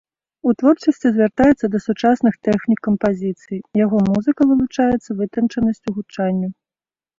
У творчасці звяртаецца да сучасных тэхнік кампазіцыі, яго музыка вылучаецца вытанчанасцю гучання.